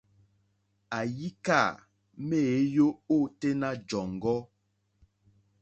Àyíkâ méěyó ôténá jɔ̀ŋgɔ́.